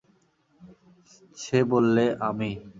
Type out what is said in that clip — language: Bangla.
সে বললে, আমি।